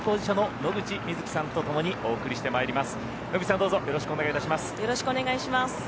野口さんどうぞよろしくお願いします。